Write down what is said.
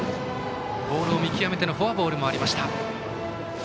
ボールを見極めてのフォアボールもありました。